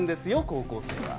高校生は。